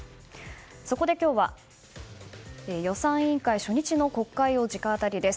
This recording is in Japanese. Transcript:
そこで今日は、予算委員会初日の国会を直アタリです。